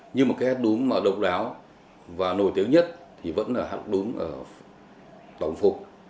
nhưng mà cái đúng mà độc đáo và nổi tiếng nhất thì vẫn là hát đúng ở tổng phục